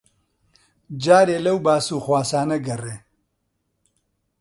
جارێ لەو باسوخواسانە گەڕێ!